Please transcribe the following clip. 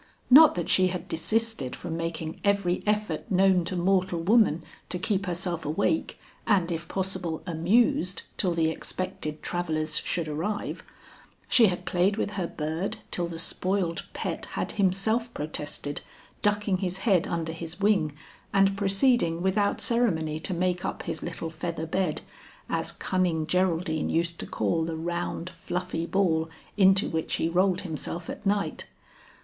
Not that she had desisted from making every effort known to mortal woman to keep herself awake and if possible amused till the expected travellers should arrive. She had played with her bird till the spoiled pet had himself protested, ducking his head under his wing and proceeding without ceremony to make up his little feather bed, as cunning Geraldine used to call the round, fluffy ball into which he rolled himself at night.